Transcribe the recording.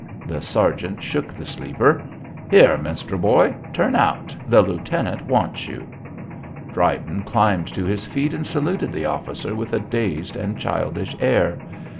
The sergeant shook the sleeper. "Here, Minstrel Boy, turn out. The lieutenant wants you." Dryden climbed to his feet and saluted the officer with a dazed and childish air.